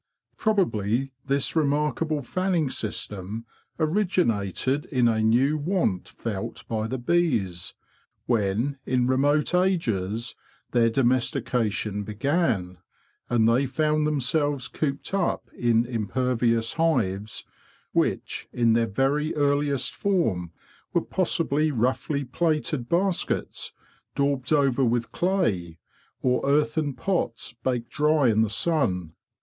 Probably this remarkable fanning system originated in a new want felt by the bees, when, in remote ages, their domestication began, and they found themselves cooped up in impervious hives which, in their very earliest form, were possibly roughly plaited baskets, daubed over with clay, or earthen pots baked dry in the sun.